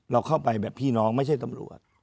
เราเข้าไปแบบพี่น้องไม่ใช่ตำรวจ